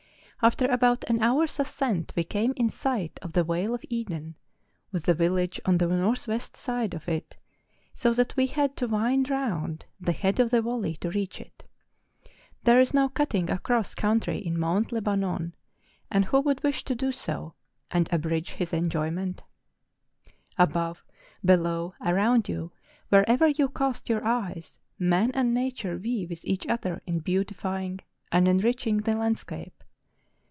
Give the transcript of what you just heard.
After about an hour's ascent we came in sight of the vale of Eden, with the village on the north west side of it, so that we had to wind round the head of the valley to reach it,—there is no cutting across country in Mount Lebanon, and who would wish to do so, and abridge his enjoyment ? MOUNT LEBANON. 205 Above, below, around you, wherever you cast your eyes, man and nature vie with each other in beauti¬ fying and enriching the landscape.